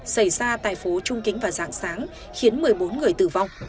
xảy ra tại phố trung kính và giảng sáng khiến một mươi bốn người tử vong